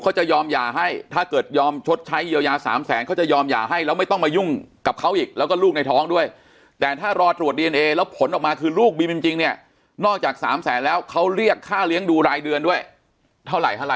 จะยอมหย่าให้ถ้าเกิดยอมชดใช้เยียวยา๓แสนเขาจะยอมหย่าให้แล้วไม่ต้องมายุ่งกับเขาอีกแล้วก็ลูกในท้องด้วยแต่ถ้ารอตรวจดีเอนเอแล้วผลออกมาคือลูกบีมจริงเนี่ยนอกจาก๓แสนแล้วเขาเรียกค่าเลี้ยงดูรายเดือนด้วยเท่าไหร่